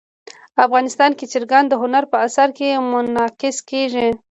افغانستان کې چرګان د هنر په اثار کې منعکس کېږي.